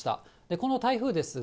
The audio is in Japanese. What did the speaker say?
この台風ですが、